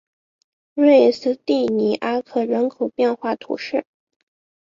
瑞斯蒂尼阿克人口变化图示